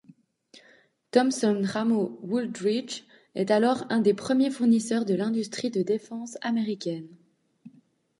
Thompson Ramo Wooldridge est alors un des premiers fournisseurs de l'industrie de défense américaine.